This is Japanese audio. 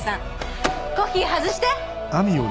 コッヒー外して。